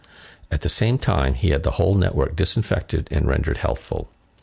At the same time, he had the whole network disinfected and rendered healthful.